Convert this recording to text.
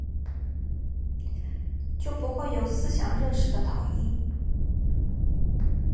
就不会有思想认识的统一